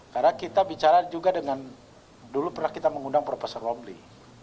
karena kita bicara juga dengan dulu pernah kita mengundang prof womli